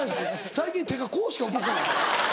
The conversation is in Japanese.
最近手がこうしか動かない。